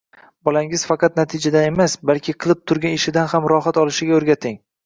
Bolangiz faqat natijadan emas, balki qilib turgan ishidan ham rohat olishiga o‘rgating.